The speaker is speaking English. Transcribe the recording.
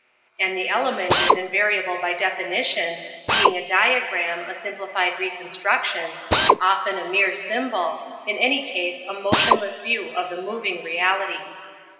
And the 1 element is invariable by definition, being a ^ diagram, a simplified reconstruction, often 48 An Introduction to a mere symbol, in any case a motionless view of the moving reality.